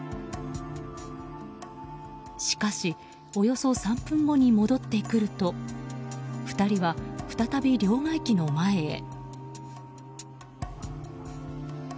しかしおよそ３分後に戻ってくると２人は再び両替機の前へ。